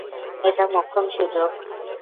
এটা মোক্ষম সুযোগ।